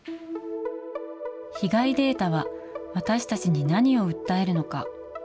被害データは私たちに何を訴えるのか。